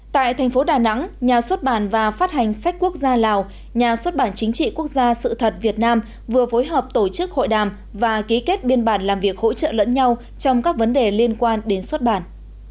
tại thành phố đà nẵng nhà xuất bản và phát hành sách quốc gia lào nhà xuất bản chính trị quốc gia sự thật việt nam vừa phối hợp tổ chức hội đàm và ký kết biên bản làm việc hỗ trợ lẫn nhau trong các vấn đề liên quan đến xuất bản